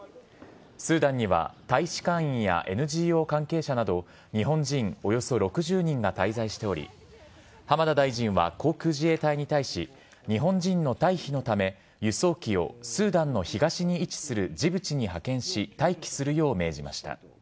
スーダンには大使館員やＮＧＯ関係者など日本人およそ６０人が滞在しており浜田大臣は航空自衛隊に対し日本人の退避のため輸送機をスーダンの東に位置するジブチに派遣し待機するよう命じました。